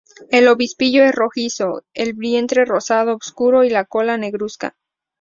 El obispillo es rojizo, el vientre rosado oscuro y la cola negruzca.